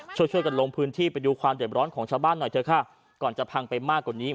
ช่วยกันช่วยกันลงพื้นที่ไปดูความเด็บร้อนของชาวบ้านหน่อยเถอะค่ะก่อนจะพังไปมากกว่านี้